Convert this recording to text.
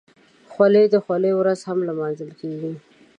خولۍ د خولۍ ورځ هم لمانځل کېږي.